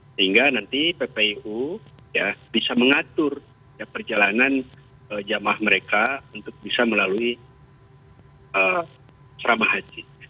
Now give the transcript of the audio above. sehingga nanti ppuu bisa mengatur perjalanan jamaah mereka untuk bisa melalui asrama haji